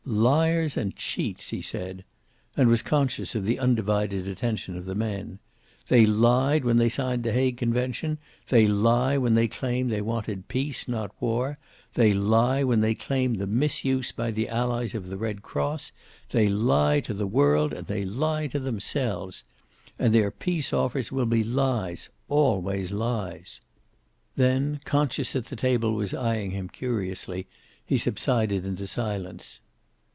"Liars and cheats," he said. And was conscious of the undivided attention of the men. "They lied when they signed the Hague Convention; they lie when they claim that they wanted peace, not war; they lie when they claim the mis use by the Allies of the Red Cross; they lie to the world and they lie to themselves. And their peace offers will be lies. Always lies." Then, conscious that the table was eying him curiously, he subsided into silence.